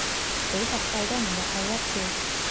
幾十世都唔入去一次